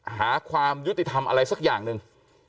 หาความยุติธรรมอะไรสักอย่างหนึ่ง